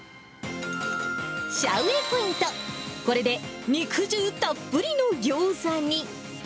シャウ・ウェイポイント、これで肉汁たっぷりのギョーザに。